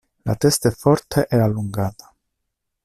La testa è forte e allungata.